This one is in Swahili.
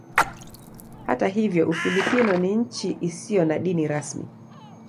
Hata hivyo Ufilipino ni nchi isiyo na dini rasmi.